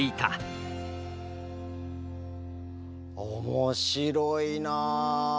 面白いな。